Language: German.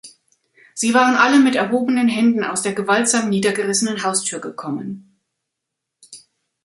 Sie waren alle mit erhobenen Händen aus der gewaltsam niedergerissenen Haustür gekommen.